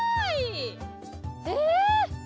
えっ！